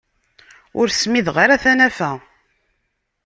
Ur smideɣ ara tanafa.